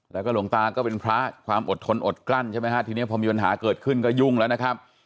แล้วก็หลวงตาก็เป็นพระความอดทนอดกลั้นใช่ไหมฮะทีนี้พอมีปัญหาเกิดขึ้นก็ยุ่งแล้วนะครับ